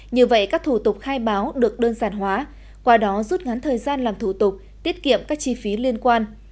như vậy các thủ tục khai báo được đơn giản hóa qua đó rút ngắn thời gian làm thủ tục tiết kiệm các chi phí liên quan